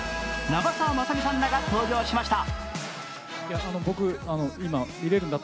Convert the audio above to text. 長澤まさみさんらが登場しました。